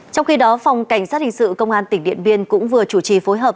trong khi đó phòng cảnh sát hình sự công an tỉnh điện biên cũng vừa chủ trì phối hợp